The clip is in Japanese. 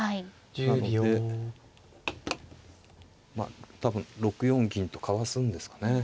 なのでまあ多分６四銀とかわすんですかね。